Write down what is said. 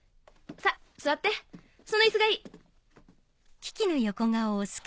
さっ座ってそのイスがいい。